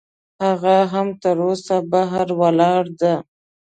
هغه هم تراوسه بهر ولاړه ده.